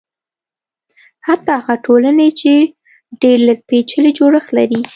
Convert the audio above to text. حتی هغه ټولنې چې ډېر لږ پېچلی جوړښت لري.